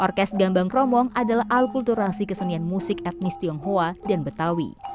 orkes gambang kromong adalah alkulturasi kesenian musik etnis tionghoa dan betawi